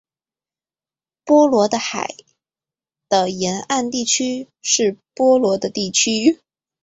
波罗的海的沿岸地区是波罗的地区。